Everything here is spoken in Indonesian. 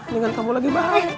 jangan kamu lagi baik